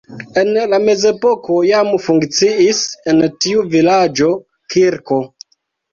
En la mezepoko jam funkciis en tiu vilaĝo kirko.